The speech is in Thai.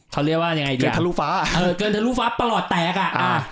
เขาเรียกว่าเกินทะลูฟ้าปลอดแตกอะ